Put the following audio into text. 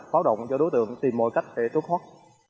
pháo động cho đối tượng tìm mọi cách để trút khóc